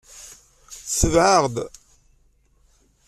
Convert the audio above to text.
Tbeɛ-aɣ-d!